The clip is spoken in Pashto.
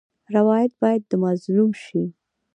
روایت باید د مظلوم شي.